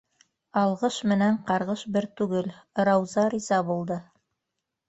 Алғыш менән ҡарғыш бер түгел - Рауза риза булды.